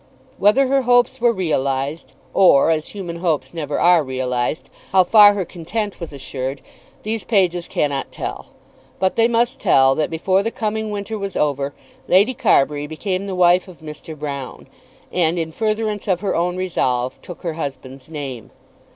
Whether her hopes were realised, or, as human hopes never are realised, how far her content was assured, these pages cannot tell; but they must tell that, before the coming winter was over, Lady Carbury became the wife of Mr. Broune, and, in furtherance of her own resolve, took her husband's name.